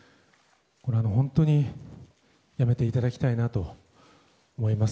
これは本当にやめていただきたいなと思います。